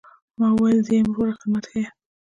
ما وويل زه يم وروه خدمت ښييه.